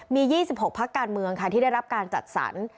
มี๒๖พักการเมืองค่ะที่ได้รับการจัดสรร